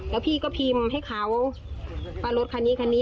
แล้วพี่ก็พิมพ์ให้เขาว่ารถคันนี้คันนี้